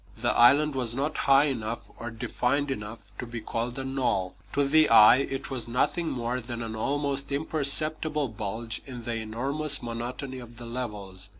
The island was not high enough or defined enough to be called a knoll. To the eye it was nothing more than an almost imperceptible bulge in the enormous monotony of the levels.